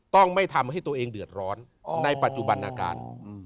ต้องไม่ทำให้ตัวเองเดือดร้อนในปัจจุบันอาการ